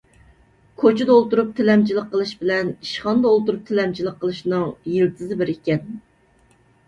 كوچىدا ئولتۇرۇپ تىلەمچىلىك قىلىش بىلەن ئىشخانىدا ئولتۇرۇپ تىلەمچىلىك قىلىشنىڭ يىلتىزى بىر ئىكەن.